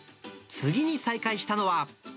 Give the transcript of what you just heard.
次に再会したのは。